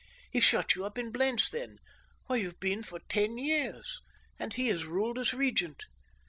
He shut you up in Blentz then, where you have been for ten years, and he has ruled as regent.